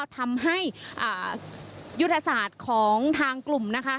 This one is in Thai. ทำให้ยุทธศาสตร์ของทางกลุ่มนะคะ